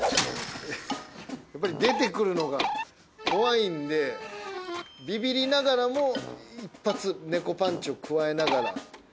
やっぱり出て来るのが怖いんでビビりながらも一発猫パンチを加えながら。